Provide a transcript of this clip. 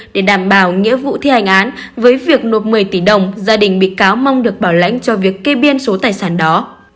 để đảm bảo nghĩa vụ thi hành án với việc nộp một mươi tỷ đồng gia đình bị cáo mong được bảo lãnh cho việc kê biên số tài sản đó